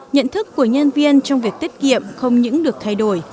nhận thức của nhân viên trong việc tiết kiệm không những được thay đổi